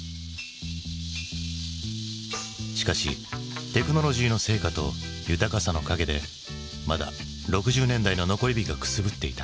しかしテクノロジーの成果と豊かさの陰でまだ６０年代の残り火がくすぶっていた。